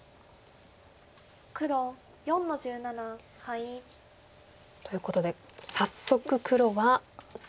黒４の十七ハイ。ということで早速黒は三々に。